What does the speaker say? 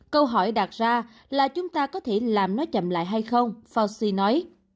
câu hỏi đặt ra là chúng ta có thể làm nó chậm lại hay không fauci nói